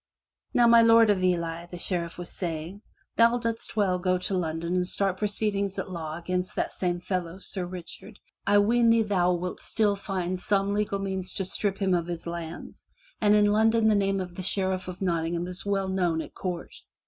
"Now, my Lord of Ely," the Sheriff was saying, ''thou doest 67 MY BOOK HOUSE well to go to London and start proceedings at law against that same fellow, Sir Richard, that of late rode his high horse with thee. I ween thou wilt still find some legal means to strip him of his lands, and in London the name of the Sheriff of Notting ham is well known at court.